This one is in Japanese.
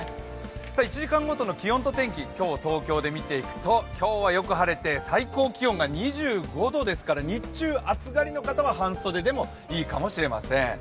１時間ごとの気温と天気、東京で見ていくと、今日はよく晴れて最高気温が２５度ですから日中、暑がりの方は半袖でもいいかもしれません。